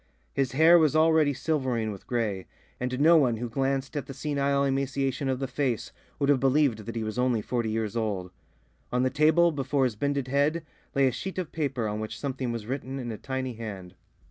His hair was already silvering with grey, and no one who glanced at the senile emaciation of the face would have believed that he was only forty years old. On the table, before his bended head, lay a sheet of paper on which something was written in a tiny hand.